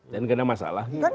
dan kena masalah